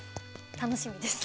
楽しみです。